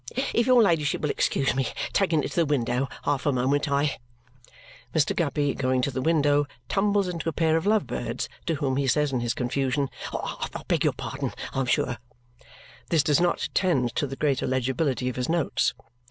If your ladyship will excuse me taking it to the window half a moment, I " Mr. Guppy, going to the window, tumbles into a pair of love birds, to whom he says in his confusion, "I beg your pardon, I am sure." This does not tend to the greater legibility of his notes.